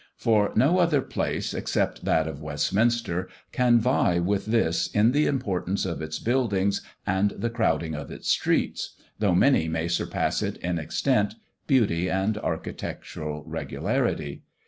For no other place, except that of Westminster, can vie with this in the importance of its buildings and the crowding of its streets, though many may surpass it in extent, beauty, and architectural regularity.